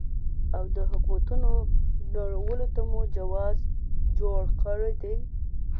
او د حکومتونو نړولو ته مو جواز جوړ کړی دی.